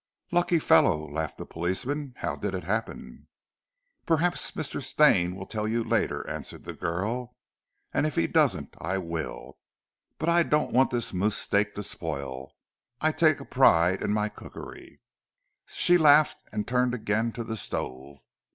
"Lucky fellow," laughed the policeman. "How did it happen?" "Perhaps Mr. Stane will tell you later," answered the girl, "and if he doesn't, I will. But I don't want this moose steak to spoil. I take a pride in my cookery." She laughed and turned again to the stove.